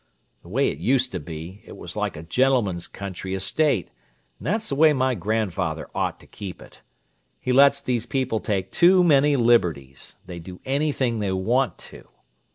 The way it used to be, it was like a gentleman's country estate, and that's the way my grandfather ought to keep it. He lets these people take too many liberties: they do anything they want to."